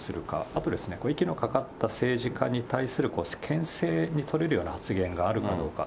あと、息のかかった政治家に対するけん制に取れるような発言があるかどうか。